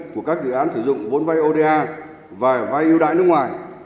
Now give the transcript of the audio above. của các dự án sử dụng vốn vay oda và vay ưu đãi nước ngoài